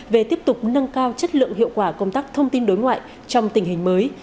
về tiếp tục nâng cao chất lượng hiệu quả công tác thông tin đối ngoại trong tình hình mới